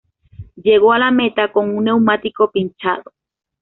Llegó a la meta con un neumático pinchado.